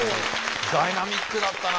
ダイナミックだったな。